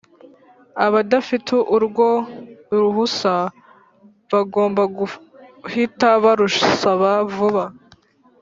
abadafite urwo ruhusa bagomba guhita barusaba vuba